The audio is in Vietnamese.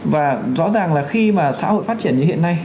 và rõ ràng là khi mà xã hội phát triển như hiện nay